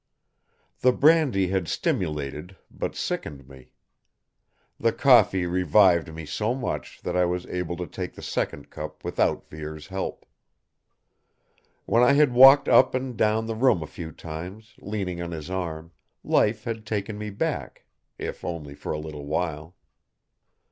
The brandy had stimulated, but sickened me. The coffee revived me so much that I was able to take the second cup without Vere's help. When I had walked up and down the room a few times, leaning on his arm, life had taken me back, if only for a little while.